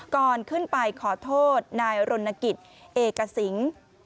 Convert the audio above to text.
ก่อนขึ้นไปขอโทษนายรณกิจเอกสิง